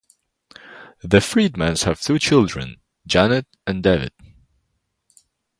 The Friedmans have two children, Janet and David.